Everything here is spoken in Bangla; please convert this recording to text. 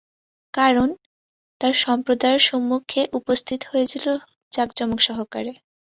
কারণ, তার সম্প্রদায়ের সম্মুখে উপস্থিত হয়েছিল জাঁকজমক সহকারে।